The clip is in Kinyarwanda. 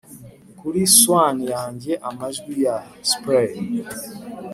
kuri swan yanjye, amajwi ya splay),